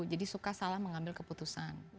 jadi suka salah mengambil keputusan